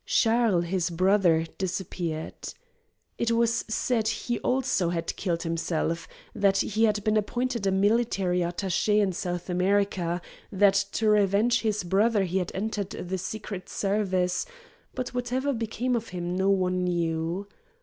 Charles, his brother, disappeared. It was said he also had killed himself; that he had been appointed a military attache in South America; that to revenge his brother he had entered the secret service; but whatever became of him no one knew.